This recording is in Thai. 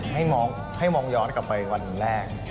ให้มองย้อนกลับไปวันแรก